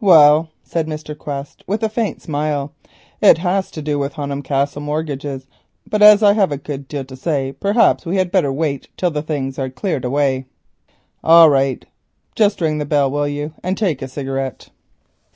"Well," said Mr. Quest, with a faint smile, "it has to do with the Honham Castle mortgages; but as I have a good deal to say, perhaps we had better wait till the things are cleared." "All right. Just ring the bell, will you, and take a cigarette?"